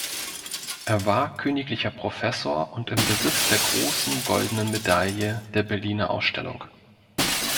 Er war königlicher Professor und im Besitz der großen goldenen Medaille der Berliner Ausstellung.